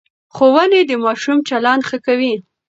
ښوونې د ماشوم چلند ښه کوي.